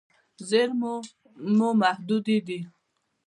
زیرمې مو محدودې دي.